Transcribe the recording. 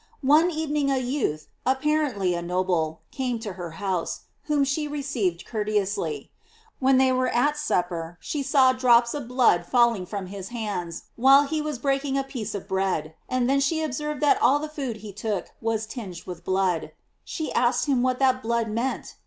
One evening a youth, apparently a noble, came to her house, whom she received cour teously. When they were at supper, she saw drops of blood falling from his hands while he wa«? breaking a peace of bread, and then she ob served that all the food he took was tinged with blood. She asked him what that blood meant?